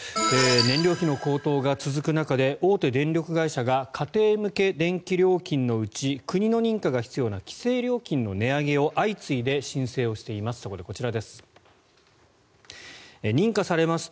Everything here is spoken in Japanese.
燃料費の高騰が続く中で大手電力会社が家庭向け電気料金のうち国の認可が必要な規制料金の値上げを相次いで申請をしています。